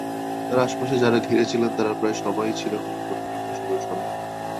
তাঁর আশপাশে যাঁরা ঘিরে ছিলেন, তাঁরা প্রায় সবাই ছিলেন অনুগত কিংবা সুযোগসন্ধানী।